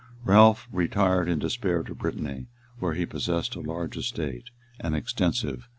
[] Ralph retired in despair to Brittany, where he possessed a large estate and extensive jurisdictions.